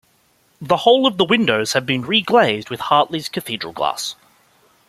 The whole of the windows have been reglazed with Hartley's cathedral glass.